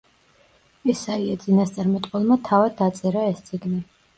ესაია წინასწარმეტყველმა თავად დაწერა ეს წიგნი.